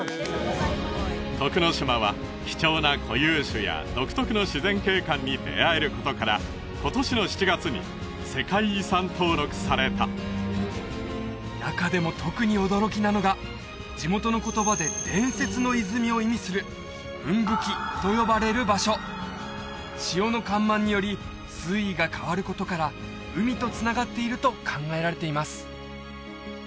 徳之島は貴重な固有種や独特の自然景観に出会えることから今年の７月に世界遺産登録された中でも特に驚きなのが地元の言葉で「伝説の泉」を意味する「ウンブキ」と呼ばれる場所潮の干満により水位が変わることから海とつながっていると考えられています